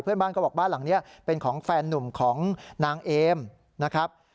บ้านก็บอกบ้านหลังนี้เป็นของแฟนนุ่มของนางเอมนะครับ